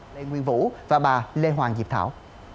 lê nguyên vũ và bà lê hoàng diệp thảo